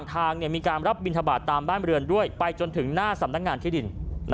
ทางนี้มีการรับบินทะบาดไปจนถึงหน้าสำนักงานที่ดิน